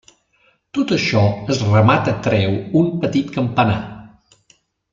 Tot això es remata treu un petit campanar.